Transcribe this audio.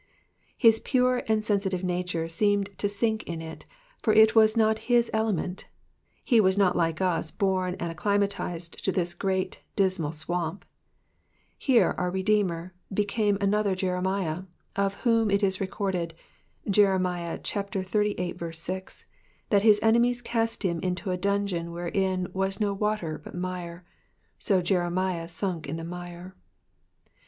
His pure and sensitive nature seemed to sink in it, for it was not his element, he was not like us born and acclimatised to this great dismal swamp. Here our Redeemer became another Jeremiah, of whom it is recorded (Jer. xxxviii. 6) that his enemies cast him into a dungeon wherein *' was no water, but mire : so Jeremiah sunk in the mire."